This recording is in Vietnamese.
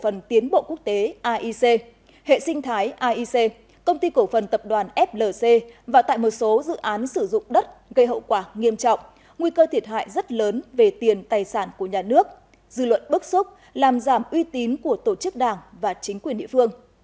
phần tiến bộ quốc tế aic hệ sinh thái aic công ty cổ phần tập đoàn flc và tại một số dự án sử dụng đất gây hậu quả nghiêm trọng nguy cơ thiệt hại rất lớn về tiền tài sản của nhà nước dư luận bức xúc làm giảm uy tín của tổ chức đảng và chính quyền địa phương